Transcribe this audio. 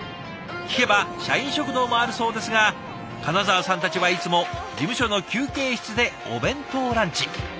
聞けば社員食堂もあるそうですが金澤さんたちはいつも事務所の休憩室でお弁当ランチ。